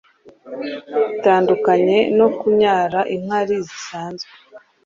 bitandukanye no kunyara inkari zisanzwe